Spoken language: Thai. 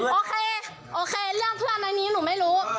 โอเคโอเคเรื่องเพื่อนในนี้หนูไม่รู้